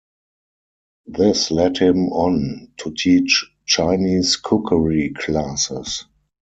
This led him on to teach Chinese cookery classes.